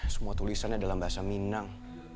semua tulisannya dalam bahasa minang